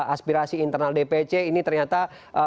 aspirasi internal dpc ini ternyata